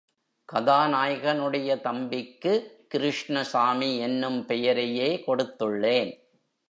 கதாநாயகனுடைய தம்பிக்கு கிருஷ்ணசாமி என்னும் பெயரையே கொடுத்துள்ளேன்.